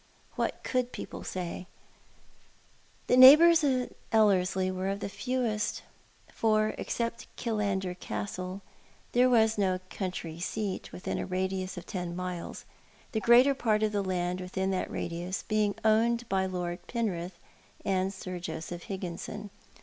What could people say? W/iat People said. 187 The neighbours at EUerslie were of the fewest, for, except Killander Castle, there was no country seat within a radius of ten miles, the greater part of the land within that radius being owned by Lord Penrith and Sir Joseph Higginson.